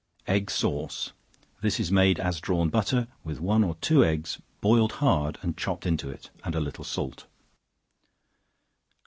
Egg Sauce. This is made as drawn butter, with one or two eggs boiled hard and chopped into it, and a little salt.